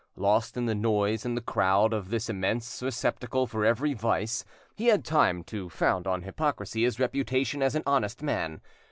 Lost in the noise and the crowd of this immense receptacle for every vice, he had time to found on hypocrisy his reputation as an honest man.